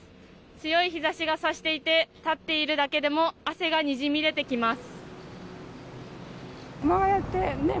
強い日差しが差していて立っているだけでも汗がにじみ出てきます。